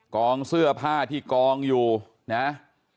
กองเสื้อผ้าที่กองอยู่นะ